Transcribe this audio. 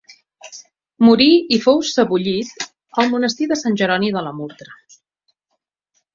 Morí i fou sebollit al monestir de Sant Jeroni de la Murtra.